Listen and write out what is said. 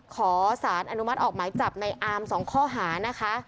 ขอสารอนุมัติออกหมายจับในอาม๒ข้อหานะคะ